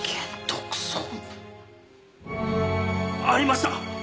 ありました。